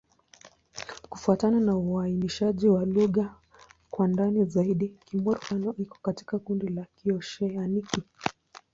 Kufuatana na uainishaji wa lugha kwa ndani zaidi, Kimur-Pano iko katika kundi la Kioseaniki.